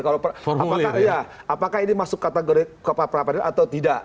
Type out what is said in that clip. apakah ini masuk kategori kepala peradilan atau tidak